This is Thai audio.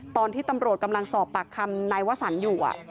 ตอนที่ตำรวจกำลังสอบปากคำนายวสันอยู่